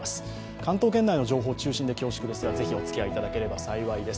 関東圏内の情報中心で恐縮ですが、ぜひ、おつきあいいただければ幸いです。